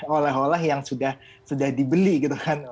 oleh oleh yang sudah dibeli gitu kan